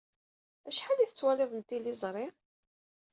Acḥal ay tettwalid n tliẓri?